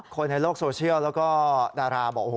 คนในโลกโซเชียลแล้วก็ดาราบอกโอ้โห